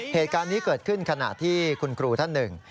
เหตุการณ์นี้เกิดขึ้นขณะที่คุณครูท่านหนึ่ง